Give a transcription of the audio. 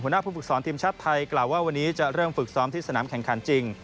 หน้าผู้ฝึกสอนทีมชาติไทยกล่าวว่าวันนี้จะเริ่มฝึกซ้อมที่สนามแข่งขันจริง